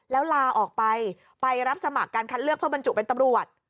แล้วลาออกไปไปรับสมัครการคัดเลือกเพื่อบรรจุเป็นตำรวจ